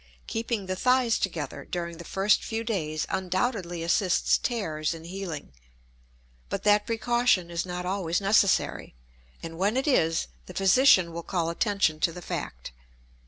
Keeping the thighs together during the first few days undoubtedly assists tears in healing, but that precaution is not always necessary, and when it is the physician will call attention to the fact.